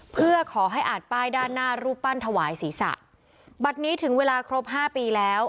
เพื่อขอให้อ่านป้ายด้านหน้ารูปปั้นถวายศีรษะบัตรนี้ถึงเวลาครบห้าปีแล้ว